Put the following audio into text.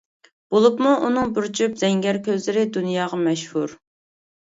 بولۇپمۇ ئۇنىڭ بىر جۈپ زەڭگەر كۆزلىرى دۇنياغا مەشھۇر.